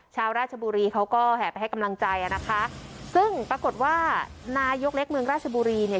ชาวราชบุรีเขาก็แห่ไปให้กำลังใจอ่ะนะคะซึ่งปรากฏว่านายกเล็กเมืองราชบุรีเนี่ย